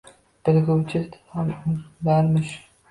Bilguvchi ham ularmish.